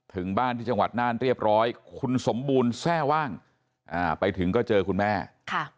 ถึงบ้านที่จังหวัดน่านเรียบร้อยคุณสมบูรณ์แทร่ว่างอ่าไปถึงก็เจอคุณแม่ค่ะ